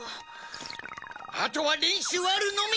あとは練習あるのみ！